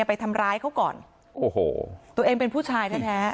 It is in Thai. ไปทำร้ายเขาก่อนโอ้โหตัวเองเป็นผู้ชายแท้แท้